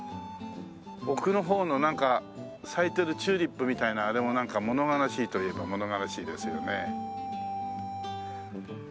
奥のほうのなんか咲いてるチューリップみたいなあれも物悲しいといえば物悲しいですよね。